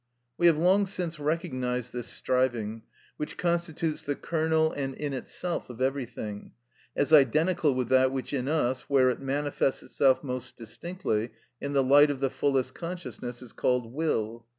We have long since recognised this striving, which constitutes the kernel and in itself of everything, as identical with that which in us, where it manifests itself most distinctly in the light of the fullest consciousness, is called will.